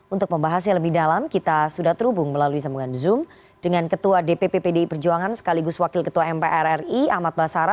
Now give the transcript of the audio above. untuk membahasnya lebih dalam kita sudah terhubung melalui sambungan zoom dengan ketua dpp pdi perjuangan sekaligus wakil ketua mpr ri ahmad basara